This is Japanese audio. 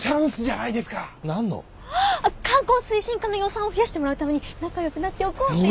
観光推進課の予算を増やしてもらうために仲良くなっておこうっていう。